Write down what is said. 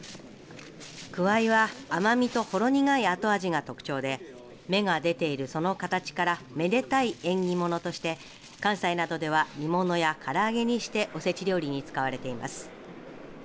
くわいは、甘みとほろ苦い後味が特徴で芽が出ているその形からめでたい縁起物として関西などでは煮物や、から揚げにしておせち料理に使われています。